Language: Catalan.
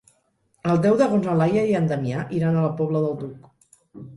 El deu d'agost na Laia i en Damià iran a la Pobla del Duc.